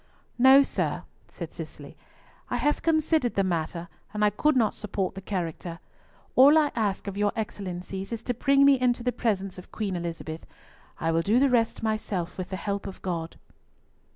"No, sir," said Cicely; "I have considered the matter, and I could not support the character. All that I ask of your Excellencies is to bring me into the presence of Queen Elizabeth. I will do the rest myself, with the help of God."